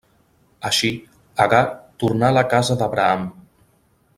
Així, Agar tornà a la casa d'Abraham.